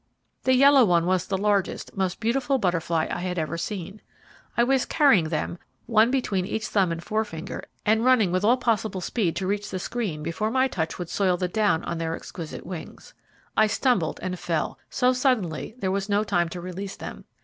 The yellow one was the largest, most beautiful butterfly I ever had seen. I was carrying them, one between each thumb and forefinger, and running with all possible speed to reach the screen before my touch could soil the down on their exquisite wings. I stumbled, and fell, so suddenly, there was no time to release them.